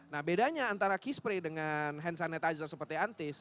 nah bedanya antara key spray dengan hand sanitizer seperti antis